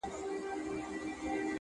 ها د فلسفې خاوند ها شتمن شاعر وايي ـ